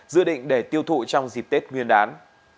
dự định để tiêu thụ trong dịp tết nguyên đán